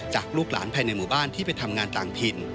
ลูกหลานภายในหมู่บ้านที่ไปทำงานต่างถิ่น